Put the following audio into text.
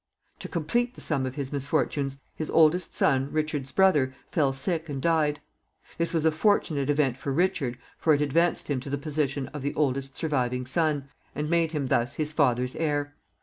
To complete the sum of his misfortunes, his oldest son, Richard's brother, fell sick and died. This was a fortunate event for Richard, for it advanced him to the position of the oldest surviving son, and made him thus his father's heir.